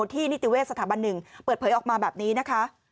นิติเวชสถาบันหนึ่งเปิดเผยออกมาแบบนี้นะคะ